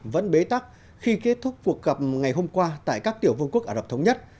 vẫn bế tắc khi kết thúc cuộc gặp ngày hôm qua tại các tiểu vương quốc ả rập thống nhất